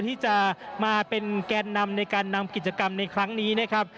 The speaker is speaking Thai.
ที่จะมาเป็นแกนนำในการนำกิจกรรมในครั้งนี้นะครับ